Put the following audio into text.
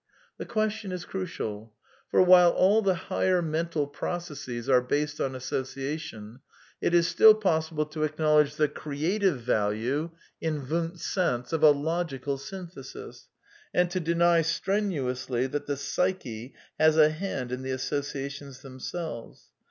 The question is crucial; for, while all the higher mental processes are based on as sociation, it is still possible to acknowledge the " creative " value (in Wundt's sense) of a logical synthesis, and to deny strenuously that the psyche has a hand in the associa tions themselves.